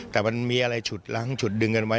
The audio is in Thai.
แต่มันมีอะไรฉุดล้างฉุดดึงกันไว้